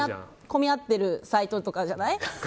混み合ってるサイトとかじゃない？